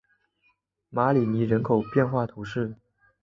马里尼人口变化图示